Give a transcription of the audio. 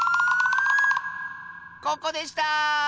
ここでした！